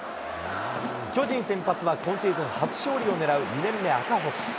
巨人先発は、今シーズン初勝利をねらう２年目、赤星。